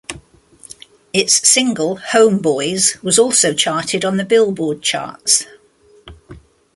Its single "Homeboyz" was also charted on the "Billboard" charts.